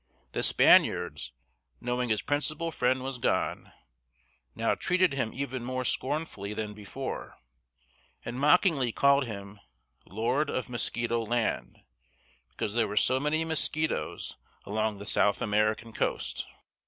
The Spaniards, knowing his principal friend was gone, now treated him even more scornfully than before, and mockingly called him "Lord of Mosquito Land," because there were so many mosquitoes along the South American coast.